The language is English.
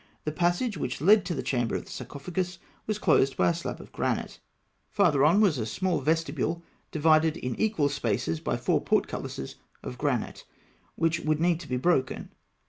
The passage which led to the chamber of the sarcophagus was closed by a slab of granite (Note 26); farther on was a small vestibule divided in equal spaces by four portcullises of granite (Note 27), which would need to be broken.